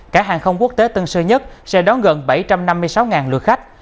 cả hàng không quốc tế tân sơ nhất sẽ đón gần bảy trăm năm mươi sáu lượt khách